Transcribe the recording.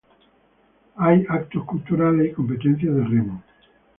Hay eventos culturales y competencias de remo.